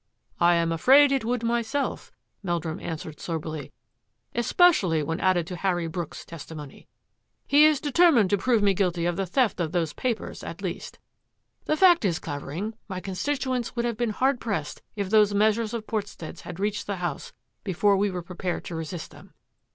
" I am afraid it would myself," Meldrum answered soberly, " especially when added to Harry Brooks's testimony. He is determined to prove me guilty of the theft of those papers at least. The fact is, Clavering, my constituents would have been hard pressed if those measures of Portstead's had reached the House before we were prepared to resist them.